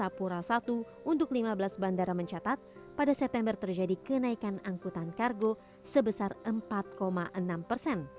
singapura satu untuk lima belas bandara mencatat pada september terjadi kenaikan angkutan kargo sebesar empat enam persen